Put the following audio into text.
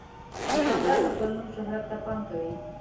دوکاندار د خپل نوم شهرت ته پام کوي.